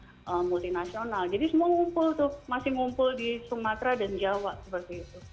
jadi semua ngumpul tuh masih ngumpul di sumatera dan jawa seperti itu